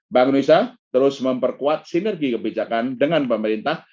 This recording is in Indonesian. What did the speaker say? bangunwisa terus memperkuat sinergi kebijakan dengan pemerintah